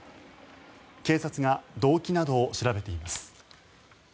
警察が動機などを調べています。